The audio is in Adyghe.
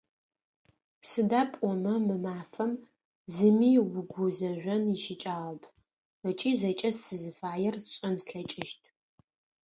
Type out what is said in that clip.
Сыда пӏомэ мы мафэм зыми угузэжъон ищыкӏагъэп ыкӏи зэкӏэ сызыфаер сшӏэн слъэкӏыщт.